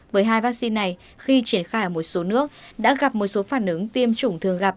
với hai vaccine này khi triển khai ở một số nước đã gặp một số phản ứng tiêm chủng thường gặp